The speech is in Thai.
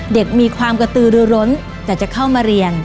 มีความกระตือรือร้นแต่จะเข้ามาเรียน